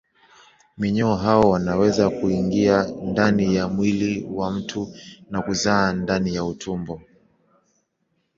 Minyoo hao wanaweza kuingia ndani ya mwili wa mtu na kuzaa ndani ya utumbo.